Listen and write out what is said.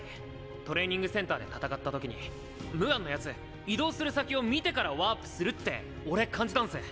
トレーニングセンターで戦った時にムガンの奴移動する先を見てからワープするって俺感じたんス！